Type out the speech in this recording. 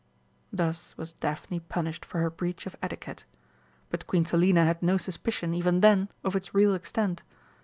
Thus was Daphne punished for her breach of etiquette. But Queen Selina had no suspicion, even then, of its real extent.